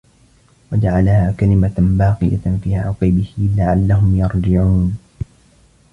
وَجَعَلَها كَلِمَةً باقِيَةً في عَقِبِهِ لَعَلَّهُم يَرجِعونَ